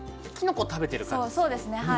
きのこ食べてる感じですよ。